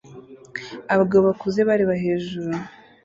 Abagabo bakuze bareba hejuru